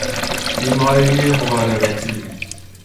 بیماری مقاربتی